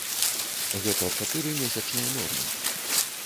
Гэта чатыры месячныя нормы.